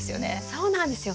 そうなんですよ。